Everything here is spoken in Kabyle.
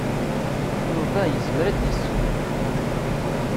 Yuba yezmer ad d-yesseww.